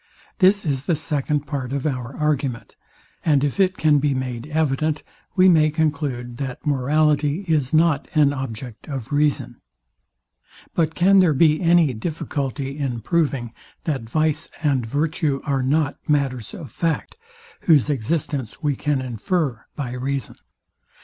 This is the second part of our argument; and if it can be made evident, we may conclude, that morality is not an object of reason. But can there be any difficulty in proving, that vice and virtue are not matters of fact, whose existence we can infer by reason?